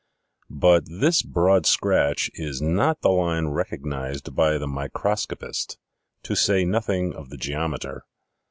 But this broad scratch is not the line recognized by the microscopist, to say nothing of the geometer.